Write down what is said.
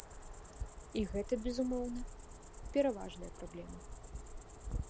І гэта, безумоўна, пераважная праблема.